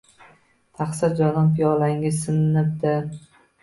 Тaqsir, jonon piyolangiz sinibdi